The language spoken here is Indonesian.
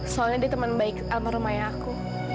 karena dia teman baik anak rumahku